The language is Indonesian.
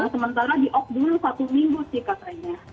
sementara di okbul satu minggu sih katanya